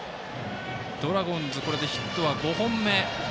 ドラゴンズこれでヒットが５本目。